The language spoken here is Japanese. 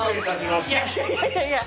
いやいやいやいやいや。